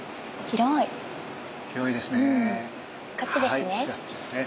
広いですね。